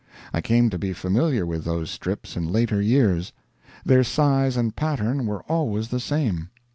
I came to be familiar with those strips in later years. Their size and pattern were always the same.